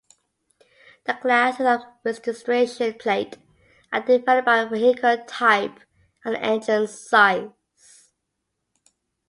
The classes of registration plate are divided by vehicle type and engine size.